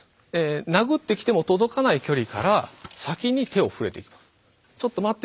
殴ってきても届かない距離から先に手を触れていきます。